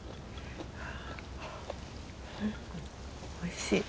おいしい。